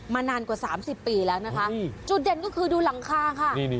นานกว่า๓๐ปีแล้วนะคะจุดเด่นก็คือดูหลังคาค่ะ